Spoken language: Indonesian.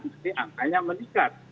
maka angkanya meningkat